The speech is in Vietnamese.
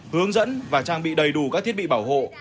hướng dẫn và trang bị đầy đủ các thiết bị bảo hộ